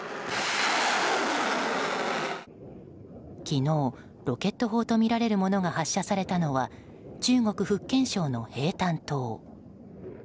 昨日、ロケット砲とみられるものが発射されたのは中国・福建省のヘイタン島。